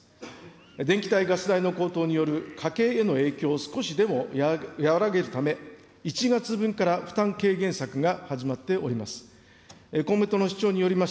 電気代、ガス代の高騰による家計への影響を少しでも和らげるため、１月分から負担軽減策が始まっております。